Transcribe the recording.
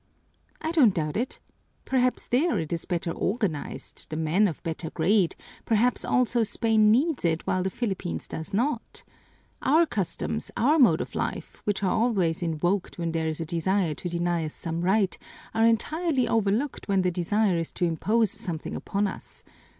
"I don't doubt it. Perhaps there, it is better organized, the men of better grade, perhaps also Spain needs it while the Philippines does not. Our customs, our mode of life, which are always invoked when there is a desire to deny us some right, are entirely overlooked when the desire is to impose something upon us.